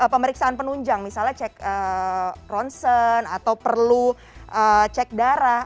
pemeriksaan penunjang misalnya cek ronsen atau perlu cek darah